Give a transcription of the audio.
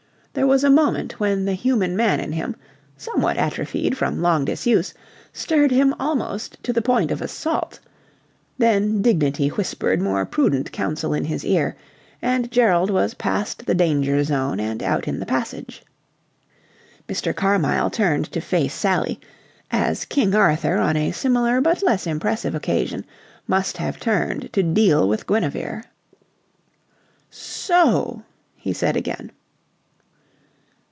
There was a moment when the human man in him, somewhat atrophied from long disuse, stirred him almost to the point of assault; then dignity whispered more prudent counsel in his ear, and Gerald was past the danger zone and out in the passage. Mr. Carmyle turned to face Sally, as King Arthur on a similar but less impressive occasion must have turned to deal with Guinevere. "So..." he said again.